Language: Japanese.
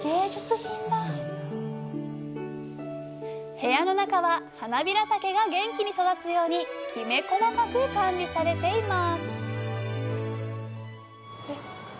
部屋の中ははなびらたけが元気に育つようにきめ細かく管理されています